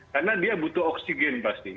karena dia butuh oksigen pasti